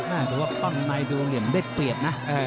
หรือว่ากล้องไนที่โวงเหลี่ยมมันเปรียบนะ